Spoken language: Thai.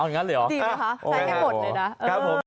เอางั้นเลยหรือใช้ให้หมดเลยนะโอ้โหครับ